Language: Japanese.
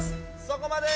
そこまで！